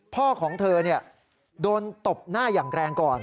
พ่อของเธอโดนตบหน้าอย่างแรงก่อน